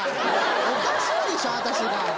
おかしいでしょ、私が。